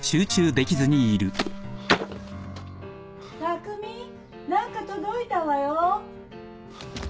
・巧何か届いたわよ！